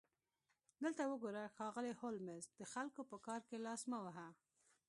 دلته وګوره ښاغلی هولمز د خلکو په کار کې لاس مه وهه